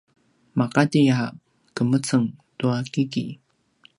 maqati a qemeceng tua kiki